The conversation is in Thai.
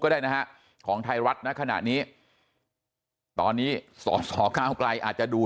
ก็ได้นะฮะของไทยรัฐน่ะขนาดนี้ตอนนี้ส่อส่อข้าวไกลอาจจะดู